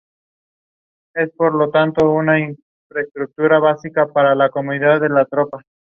Gallito de las rocas.